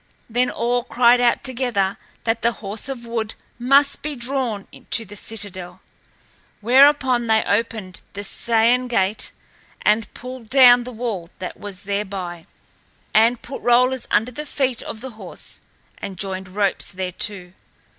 Then all cried out together that the horse of wood must be drawn to the citadel. Whereupon they opened the Scæan Gate and pulled down the wall that was thereby, and put rollers under the feet of the horse and joined ropes thereto.